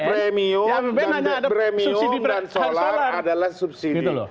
premium premium dan solar adalah subsidi